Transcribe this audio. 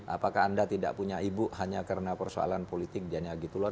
apakah anda tidak punya ibu hanya karena persoalan politik dianiaya gitu loh